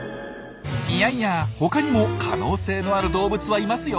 いやいや他にも可能性のある動物はいますよ。